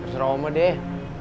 serah oma deh